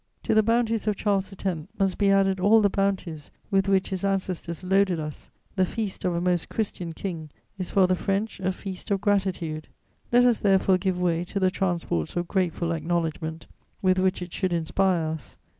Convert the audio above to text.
"To the bounties of Charles X. must be added all the bounties with which his ancestors loaded us; the feast of a Most Christian King is for the French a feast of gratitude: let us therefore give way to the transports of grateful acknowledgment with which it should inspire us.